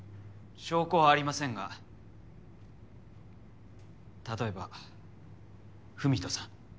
証拠はありませんが例えば郁人さん。